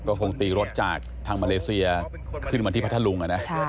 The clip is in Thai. ก็คงตีรถจากทางมาเลเซียขึ้นมาที่พัทธลุง